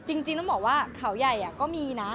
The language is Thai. จริงต้องบอกว่าเขาใหญ่ก็มีนะ